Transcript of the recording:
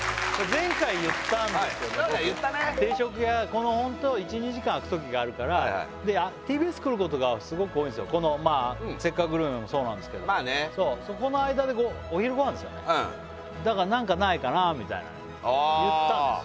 このホント１２時間空く時があるからＴＢＳ来ることがすごく多いんですよ「せっかくグルメ！！」もそうなんですけどそこの間でお昼ご飯ですよねだから何かないかなみたいなね言ったんですよ